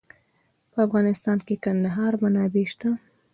په افغانستان کې د کندهار منابع شته.